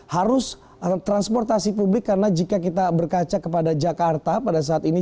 harus transportasi publik karena jika kita berkaca kepada jakarta pada saat ini